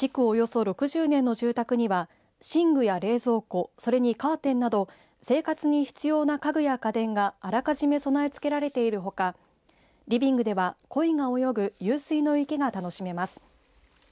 およそ６０年の住宅には寝具や冷蔵庫、それにカーテンなど生活に必要な家具や家電があらかじめ備え付けられているほかリビングではこいが泳ぐ湧水の池が楽しめます。